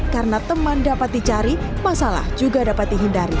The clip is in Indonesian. karena teman dapat dicari masalah juga dapat dihindari